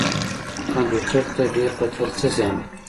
کمپیوټر ته ډیر کتل څه زیان لري؟